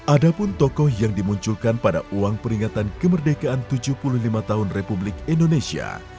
ada pun tokoh yang dimunculkan pada uang peringatan kemerdekaan tujuh puluh lima tahun republik indonesia